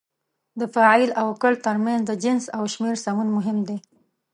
د فاعل او کړ ترمنځ د جنس او شمېر سمون مهم دی.